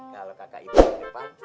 kalau kakak itu siapa